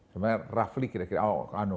sebenarnya roughly kira kira